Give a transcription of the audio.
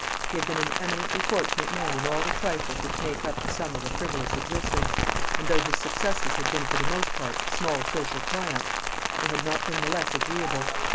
He had been an eminently fortunate man in all the trifles which make up the sum of a frivolous existence; and though his successes had been for the most part small social triumphs, they had not been the less agreeable.